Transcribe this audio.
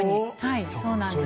はいそうなんです